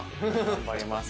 頑張ります